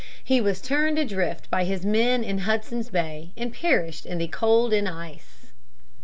He was turned adrift by his men in Hudson's Bay, and perished in the cold and ice.